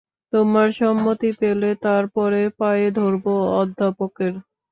তোমার সম্মতি পেলে তার পরে পায়ে ধরব অধ্যাপকের।